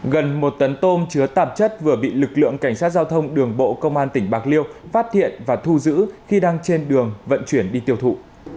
gần một tấn tôm chứa tạp chất vừa bị lực lượng cảnh sát giao thông đường bộ công an tỉnh bạc liêu phát hiện và thu giữ khi đang trên đường vận chuyển đi tiêu thụ